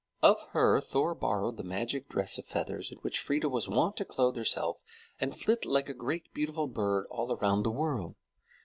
Of her Thor borrowed the magic dress of feathers in which Freia was wont to clothe herself and flit like a great beautiful bird all about the world.